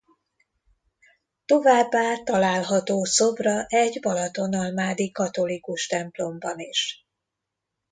Továbbá található szobra egy balatonalmádi katolikus templomban is.